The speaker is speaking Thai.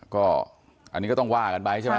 ก็อันนี้ก็ต้องว่ากันไปใช่ไหม